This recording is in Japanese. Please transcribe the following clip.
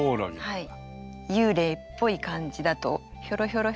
はい。